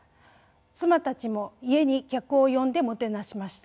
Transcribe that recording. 妻たちも家に客を呼んでもてなしました。